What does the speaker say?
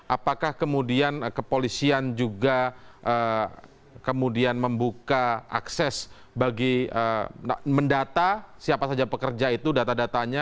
apakah kemudian kepolisian juga kemudian membuka akses bagi mendata siapa saja pekerja itu data datanya